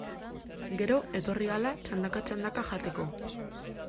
Gero, etorri ahala, txandaka-txandaka jateko.